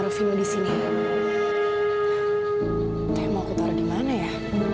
sampai jumpa di video selanjutnya